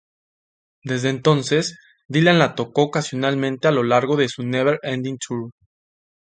Desde entonces, Dylan la tocó ocasionalmente a lo largo de su Never Ending Tour.